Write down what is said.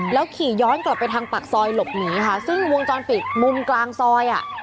ขี่ย้อนกลับไปทางปากซอยหลบหนีค่ะซึ่งวงจรปิดมุมกลางซอยอ่ะ